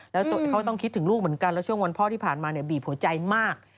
แล้วเขาต้องคิดถึงลูกเหมือนกันแล้วช่วงวันพ่อที่ผ่านมาเนี่ยบีบหัวใจมาก